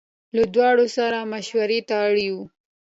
له دواړو سره یې مشوړې ته اړ یو.